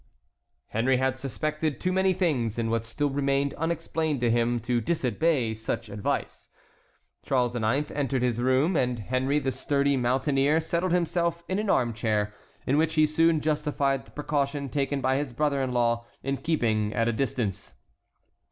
Henry had suspected too many things in what still remained unexplained to him to disobey such advice. Charles IX. entered his room, and Henry, the sturdy mountaineer, settled himself in an armchair, in which he soon justified the precaution taken by his brother in law in keeping at a distance.